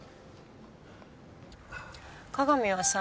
加賀美はさ。